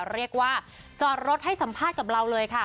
เรียกว่าจอดรถให้สัมภาษณ์กับเราเลยค่ะ